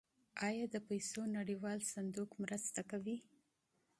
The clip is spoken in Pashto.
آیا د پیسو نړیوال صندوق مرسته کوي؟